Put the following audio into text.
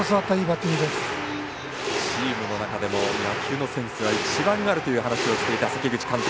チームの中でも野球のセンスが一番あるという話をされていた関口監督。